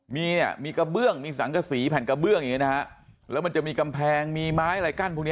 มีเนี่ยมีกระเบื้องมีสังกษีแผ่นกระเบื้องอย่างนี้นะฮะแล้วมันจะมีกำแพงมีไม้อะไรกั้นพวกนี้